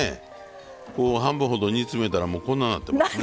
半分ほど煮詰めたらもうこんなんなってますね。